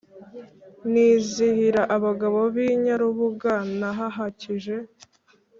Nizihira abagabo b’I Nyarubuga nahahakije